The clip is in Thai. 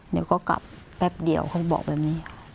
เดี๋ยวก็กลับแป๊บเดียวเขาบอกแบบนี้